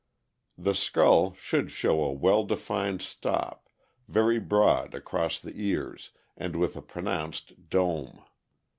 The skull should show a well defined stop, very broad across the ears, and with a pronounced dome.